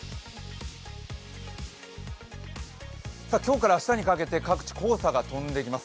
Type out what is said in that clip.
今日から明日にかけて各地黄砂が飛んできます。